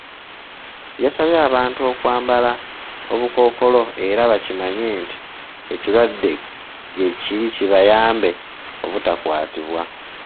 Yasabye abantu okwambala obukookolo era bakimanye nti ekirwadde gyekiri kibayambe obutakwatibwa.